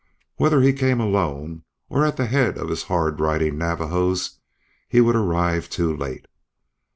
Whether he came alone or at the head of his hard riding Navajos he would arrive too late.